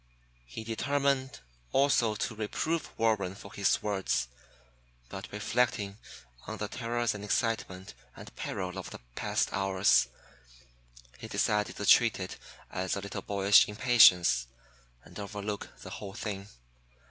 He determined also to reprove Warren for his words; but reflecting on the terrors and excitement and peril of the past hours, he decided to treat it as a little boyish impatience, and overlook the whole thing.